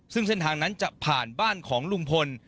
ซึ่งเส้นทางนั้นจะผ่านบ้านของลุงพล